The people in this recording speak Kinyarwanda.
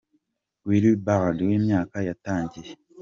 Will Burrard w’imyaka yatangiye.